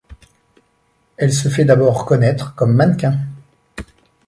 Elle se fait d’abord connaître comme mannequin.